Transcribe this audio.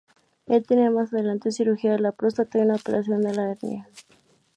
Él tenía más adelante cirugía de la próstata y una operación de la hernia.